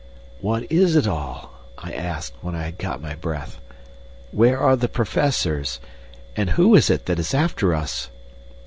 "What is it all?" I asked, when I had got my breath. "Where are the professors? And who is it that is after us?"